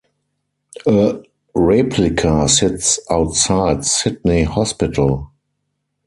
A replica sits outside Sydney Hospital.